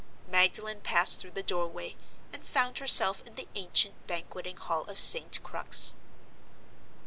Magdalen passed through the doorway, and found herself in the ancient Banqueting Hall of St. Crux.